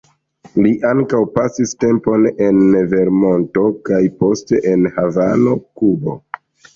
Li ankaŭ pasis tempon en Vermonto kaj poste en Havano, Kubo.